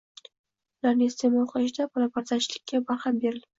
ularni iste’mol qilishda palapartishlikka barham berilmasa